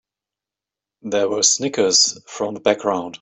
There were snickers from the background.